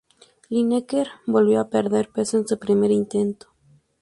Lineker volvió a perder peso en su primer intento.